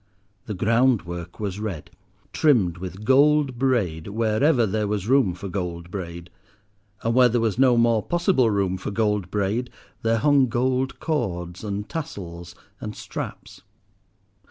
The groundwork was red, trimmed with gold braid wherever there was room for gold braid; and where there was no more possible room for gold braid there hung gold cords, and tassels, and straps.